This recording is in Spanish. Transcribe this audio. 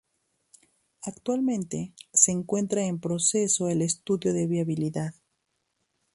Actualmente, se encuentra en proceso el estudio de viabilidad.